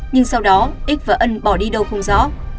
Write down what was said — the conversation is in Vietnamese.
nhưng sau đó x và ân bỏ đi đâu không rõ